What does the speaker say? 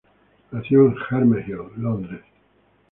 Nació en Herne Hill, Londres.